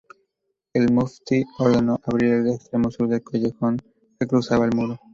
El Muftí ordenó abrir el extremo sur del callejón que cruzaba el Muro.